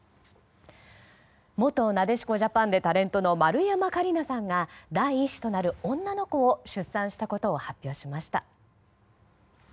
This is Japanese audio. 元なでしこジャパンでタレントの丸山桂里奈さんが第１子となる女の子を出産したことを発表しました。